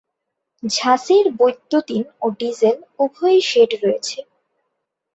ঝাঁসির বৈদ্যুতিন ও ডিজেল উভয়ই শেড রয়েছে।